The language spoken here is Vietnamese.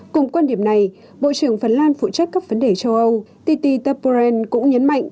cùng quan điểm này bộ trưởng phần lan phụ trách các vấn đề châu âu tti tepureen cũng nhấn mạnh